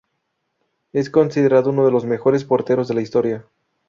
Es considerado uno de los mejores porteros de la historia.